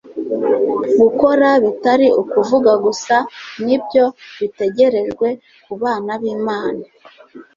Gukora bitari ukuvuga gusa ni byo bitegerejwe ku bana b'Imana.